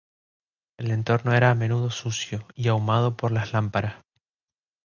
El entorno era a menudo sucio y ahumado por las lámparas.